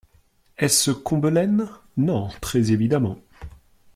Est-ce Combelaine ?… Non, très évidemment.